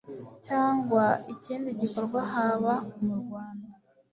cyangwa ikindi gikorwa haba mu rwanda